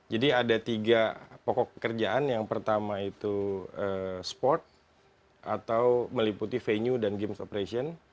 jadi ada tiga pokok pekerjaan yang pertama itu sport atau meliputi venue dan games operation